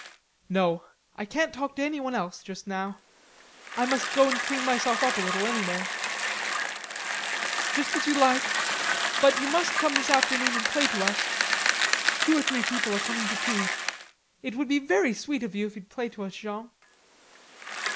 "No, I can't talk to anyone else now. I must go and clean myself up a little anyway." "Just as you like.... But you must come this afternoon and play to us. Two or three people are coming to tea.... It would be very sweet of you, if you'd play to us, Jean."